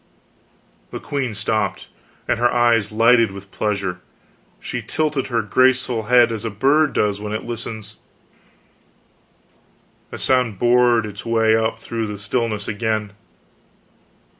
The queen stopped, and her eyes lighted with pleasure; she tilted her graceful head as a bird does when it listens. The sound bored its way up through the stillness again.